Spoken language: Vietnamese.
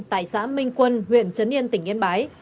tại xã minh quân huyện trấn yên tỉnh yên bái